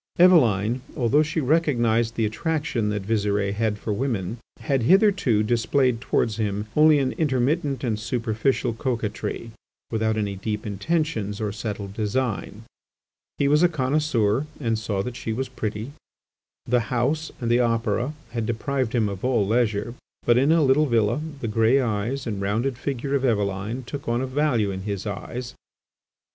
Eveline, although she recognised the attraction that Visire had for women, had hitherto displayed towards him only an intermittent and superficial coquetry, without any deep intentions or settled design. He was a connoisseur and saw that she was pretty. The House and the Opera had deprived him of all leisure, but, in a little villa, the grey eyes and rounded figure of Eveline took on a value in his eyes.